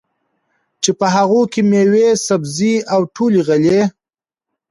چې په هغو کې مېوې، سبزۍ او ټولې غلې